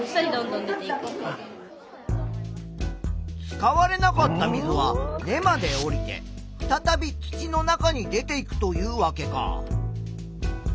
使われなかった水は根まで下りてふたたび土の中に出ていくというわけか。